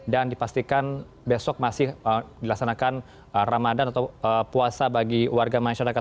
dan dipastikan besok masih dilaksanakan ramadan atau puasa bagi warga masyarakat